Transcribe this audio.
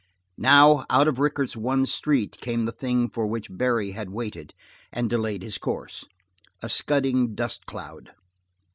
Now, out of Rickett's one street, came the thing for which Barry had waited, and delayed his course a scudding dust cloud.